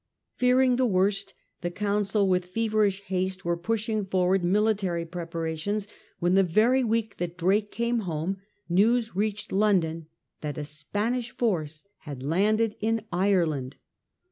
Fearing the worst, the Council with feverish haste were pushing forward military preparations, when the very week that Drake came home news reached London that a Spanish force had landed in Ireland.